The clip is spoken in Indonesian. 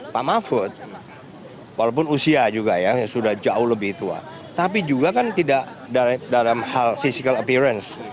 pak mahfud walaupun usia juga ya sudah jauh lebih tua tapi juga kan tidak dalam hal physical appearance